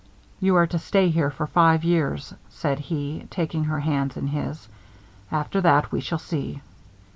"You are to stay here for five years," said he, taking her hands in his. "After that, we shall see.